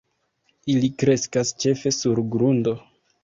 Ili kreskas ĉefe sur grundo.